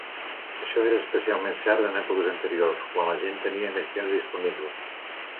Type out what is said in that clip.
Això era especialment cert en èpoques anteriors, quan la gent tenia més temps disponible.